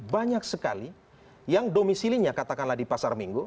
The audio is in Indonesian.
banyak sekali yang domisilinya katakanlah di pasar minggu